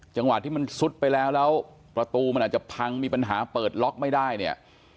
จังหวะที่มันซุดไปแล้วแล้วประตูมันอาจจะพังมีปัญหาเปิดล็อกไม่ได้เนี่ย